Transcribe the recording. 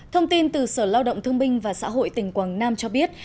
thông tin từ sở lao động thương binh và xã hội tỉnh quảng nam cho biết